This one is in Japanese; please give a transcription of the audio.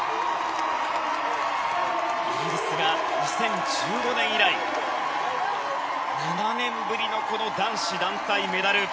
イギリスが２０１５年以来７年ぶりの男子団体メダル。